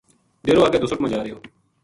ڈیرو اگے دوسُٹ ما جا رہیو